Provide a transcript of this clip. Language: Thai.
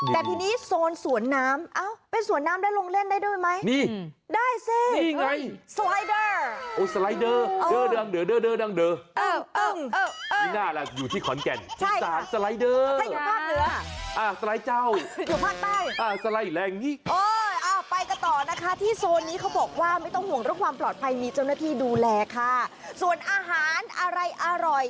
แต่ทีนี้โซนสวนน้ำเป็นสวนน้ำได้ลงเล่นได้ด้วยไหม